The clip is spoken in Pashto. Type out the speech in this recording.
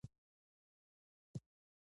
چې د ښځې د حسن کلاسيک چوکاټ مات کړي